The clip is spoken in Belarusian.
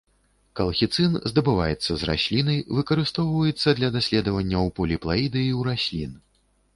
Калхіцын, здабываецца з расліны, выкарыстоўваецца для даследаванняў поліплаідыі ў раслін.